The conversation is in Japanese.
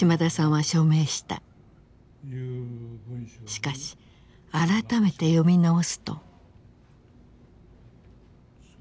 しかし改めて読み直すと。